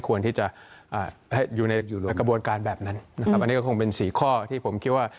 กระบวนการแบบนั้นอันนี้ก็คงเป็นสี่ข้อที่ผมคิดว่า